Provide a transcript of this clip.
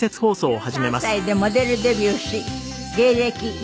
１３歳でモデルデビューし芸歴